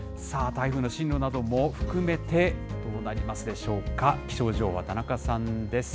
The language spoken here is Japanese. さあ、台風の進路なども含めて、どうなりますでしょうか。